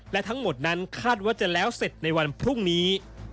และทั้งหมดนั้นคาดว่าจะแล้วเสร็จในวันพรุ่งนี้